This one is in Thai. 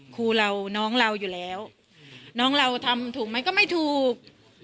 ครูเราน้องเราอยู่แล้วน้องเราทำถูกไหมก็ไม่ถูก